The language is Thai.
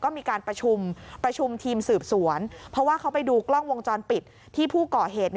ก็มีการประชุมประชุมทีมสืบสวนเพราะว่าเขาไปดูกล้องวงจรปิดที่ผู้ก่อเหตุ